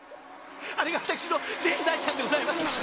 あれが私の全財産でございます。